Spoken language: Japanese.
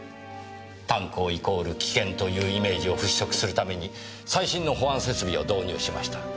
炭鉱イコール危険というイメージを払拭するために最新の保安設備を導入しました。